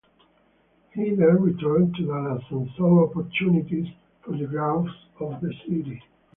He then returned to Dallas and saw opportunities for the growth of the city.